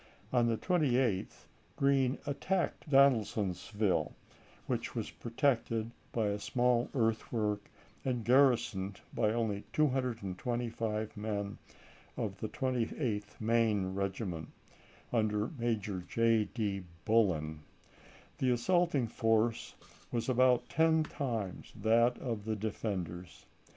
On the 28th Green attacked Donaldsonville, which was protected by a small earthwork and garrisoned by only 225 men of the Twenty eighth Maine regiment, under Major Report! J. D. Bullen. The assaulting force was about ten times that of the defenders.